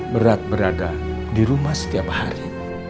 berat berada di rumah setiap hari